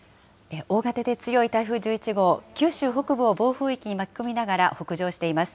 大型で強い台風１１号、九州北部を暴風域に巻き込みながら、北上しています。